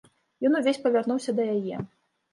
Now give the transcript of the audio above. Ён увесь павярнуўся да яе.